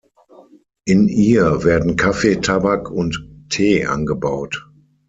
In ihr werden Kaffee, Tabak und Tee angebaut.